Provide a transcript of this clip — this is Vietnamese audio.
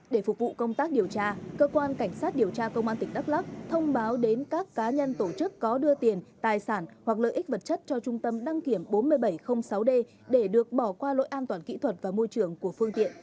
để phục vụ công tác điều tra cơ quan cảnh sát điều tra công an tỉnh đắk lắc thông báo đến các cá nhân tổ chức có đưa tiền tài sản hoặc lợi ích vật chất cho trung tâm đăng kiểm bốn nghìn bảy trăm linh sáu d để được bỏ qua lỗi an toàn kỹ thuật và môi trường của phương tiện